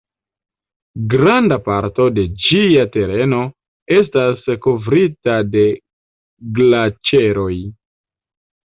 Granda parto de ĝia tereno estas kovrita de glaĉeroj.